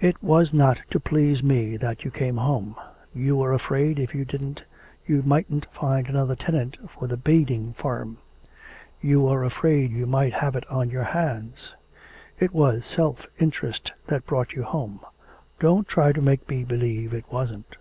'It was not to please me that you came home. You were afraid if you didn't you mightn't find another tenant for the Beeding farm. You were afraid you might have it on your hands. It was self interest that brought you home. Don't try to make me believe it wasn't.'